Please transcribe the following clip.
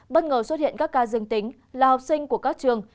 bất ngờ xuất hiện các ca dương tính là học sinh của các trường